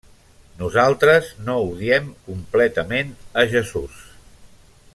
Nosaltres no odiem completament a Jesús.